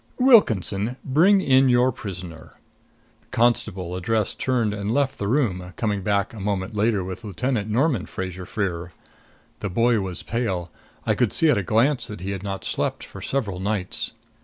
Wilkinson, bring in your prisoner. The constable addressed turned and left the room, coming back a moment later with Lieutenant Norman Fraser Freer. The boy was pale; I could see at a glance that he had not slept for several nights.